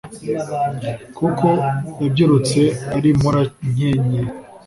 kuko yabyirutse ari mporankeye